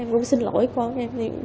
em cũng xin lỗi con em